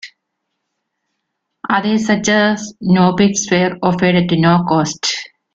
Others, such as Knoppix, were offered at no cost.